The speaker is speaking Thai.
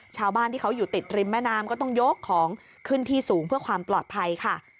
ชาวบ้านที่เขาอยู่ติดริมแม่น้ำก็ต้องยกของขึ้นที่สูงเพื่อความปลอดภัยค่ะ